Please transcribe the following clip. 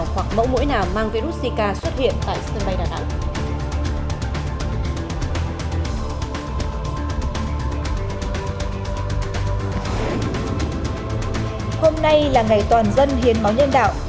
hôm nay là ngày toàn dân hiến máu nhân đạo